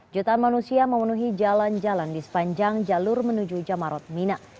jutaan manusia memenuhi jalan jalan di sepanjang jalur menuju jamarot mina